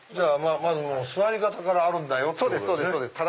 まず座り方からあるんだよってことですね。